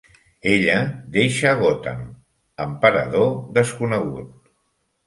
Ella deixa Gotham, amb parador desconegut.